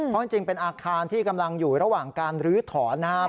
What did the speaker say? เพราะจริงเป็นอาคารที่กำลังอยู่ระหว่างการลื้อถอนนะครับ